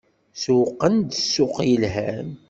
Sewwqen-d ssuq yelhan.